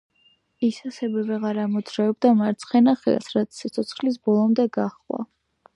ის ასევე ვეღარ ამოძრავებდა მარცხენა ხელს, რაც სიცოცხლის ბოლომდე გაჰყვა.